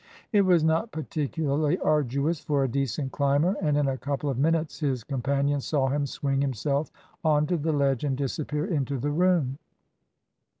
It was not particularly arduous for a decent climber, and in a couple of minutes his companions saw him swing himself on to the ledge, and disappear into the room.